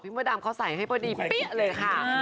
พี่มดามเขาใส่ให้พอดีปี้๊ะเลยค่ะ